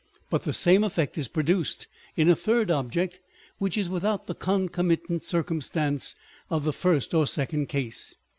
But the same effect is produced in a third object, which is without the concomitant cir cumstance of the first or second case.